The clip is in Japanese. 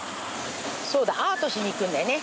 そうだアートしに行くんだよね